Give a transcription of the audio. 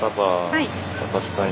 はい。